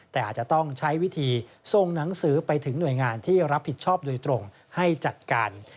แต่อาจจะต้องใช้วิธีส่งหนังสือไปถึงหน่วยงานที่รับผิดชอบโดยตรงให้จัดการ